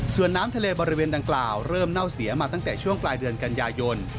ส่วนน้ำทะเลบริเวณดังกล่าวเริ่มเน่าเสียมาตั้งแต่ช่วงปลายเดือนกันยายน